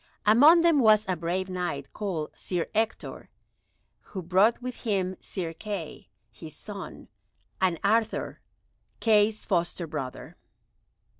Among them was a brave Knight called Sir Ector, who brought with him Sir Kay, his son, and Arthur, Kay's foster brother.